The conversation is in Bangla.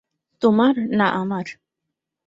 তোমার না আমার?